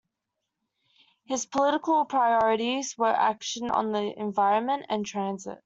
His political priorities were action on the environment and transit.